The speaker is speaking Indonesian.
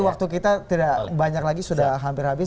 waktu kita tidak banyak lagi sudah hampir habis